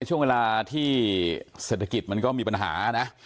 ช่วงเวลาที่เศรษฐกิจมันก็มีปัญหานะ